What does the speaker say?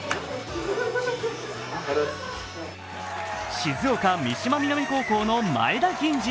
静岡・三島南高校の前田銀治。